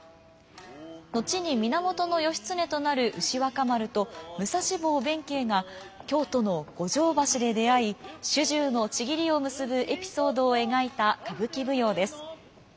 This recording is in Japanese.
後に源義経となる牛若丸と武蔵坊弁慶が京都の五条橋で出会い主従の契りを結ぶエピソードを描いた歌舞伎舞踊です。